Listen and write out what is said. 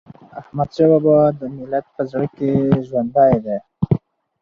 احمدشاه بابا د ملت په زړه کي ژوندی دی.